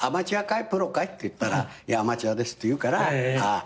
プロかい？って言ったら「アマチュアです」って言うからああそうか。